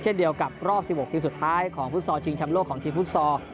เช่นเดียวกับรอบ๑๖ทีมสุดท้ายของฟุตซอลชิงชำโลกของทีมฟุตซอล